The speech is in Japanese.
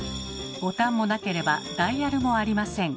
ボタンもなければダイヤルもありません。